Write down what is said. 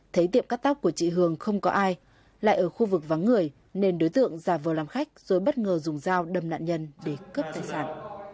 thấy tiệm cắt tóc của chị hường không có ai lại ở khu vực vắng người nên đối tượng giả vờ làm khách rồi bất ngờ dùng dao đâm nạn nhân để cướp tài sản